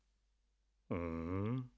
ふん。